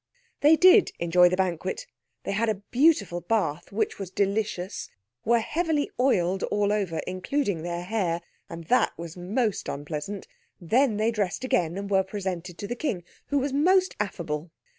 They did enjoy the banquet. They had a beautiful bath, which was delicious, were heavily oiled all over, including their hair, and that was most unpleasant. Then, they dressed again and were presented to the King, who was most affable.